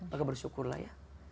maka bersyukurlah ya